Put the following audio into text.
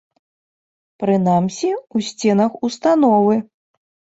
Прынамсі, у сценах установы.